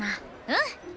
うん！